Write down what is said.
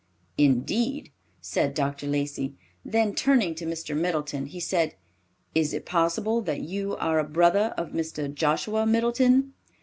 "Indeed!" said Dr. Lacey; then turning to Mr. Middleton, he said, "Is it possible that you are a brother of Mr. Joshua Middleton?"